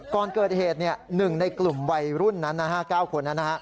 ก่อนเกิดเหตุ๑ในกลุ่มวัยรุ่นนั้น๙คนนั้น